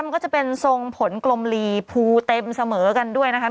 มันก็จะเป็นทรงผลกลมลีภูเต็มเสมอกันด้วยนะคะ